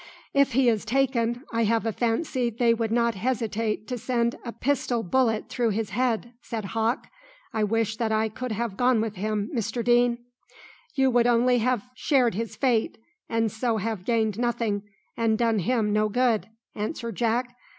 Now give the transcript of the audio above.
"If he is taken, I have a fancy they would not hesitate to send a pistol bullet through his head," said Hawke. "I wish that I could have gone with him, Mr Deane." "You would only have shared his fate, and so have gained nothing, and done him no good," answered Jack.